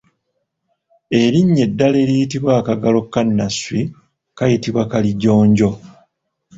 Erinnya eddala eriyitibwa akagalo ka nnasswi kayitibwa kalijjonjo.